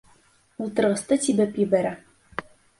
Ултырғысты тибеп ебәрә.